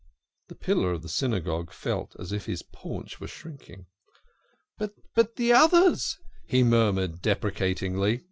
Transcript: The pillar of the Synagogue felt as if his paunch were shrinking. "But the others "he murmured deprecatingly.